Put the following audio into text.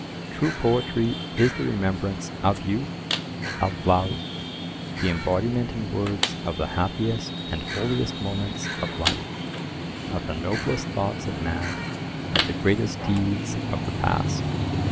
True poetry is the remembrance of youth, of love, the embodiment in words of the happiest and holiest moments of life, of the noblest thoughts of man, of the greatest deeds of the past.